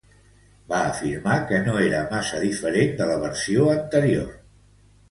Va afirmar que no era massa diferent de la versió anterior.